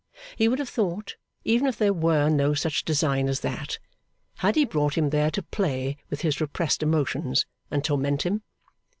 He would have thought, even if there were no such design as that, had he brought him there to play with his repressed emotions, and torment him?